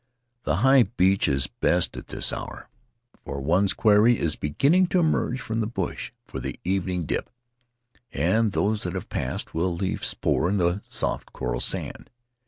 The high beach is best at this hour, for one's quarry is beginning to emerge from the bush for the evening dip, and those that have passed will leave spoor in the soft coral sand.